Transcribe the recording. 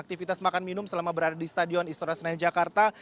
aktivitas makan minum selama berada di stadion istora senayan jakarta